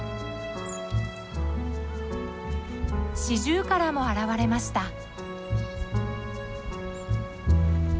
シジュウカラも現れました。